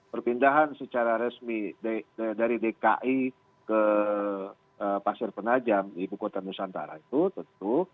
perpindahan secara resmi dari dki ke pasir penajam ibu kota nusantara itu tentu